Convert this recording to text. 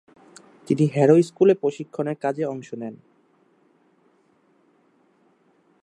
তিনি হ্যারো স্কুলে প্রশিক্ষণের কাজে অংশ নেন।